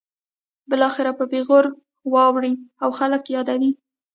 بالاخره په پیغور واړوي او خلک یې یادوي.